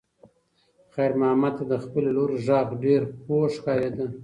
خیر محمد ته د خپلې لور غږ ډېر خوږ ښکارېده.